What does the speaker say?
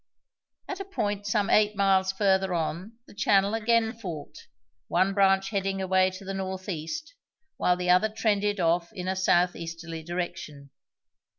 At a point some eight miles farther on the channel again forked, one branch heading away to the north east while the other trended off in a south easterly direction.